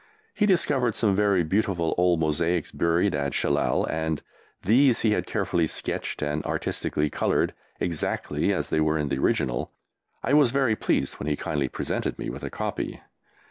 He discovered some very beautiful old mosaics buried at Shellal, and these he had carefully sketched and artistically coloured, exactly as they were in the original. I was very pleased when he kindly presented me with a copy.